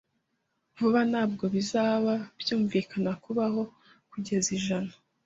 Vuba, ntabwo bizaba byunvikana kubaho kugeza ijana.